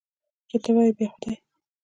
چې ته وایې، بیا خو دي!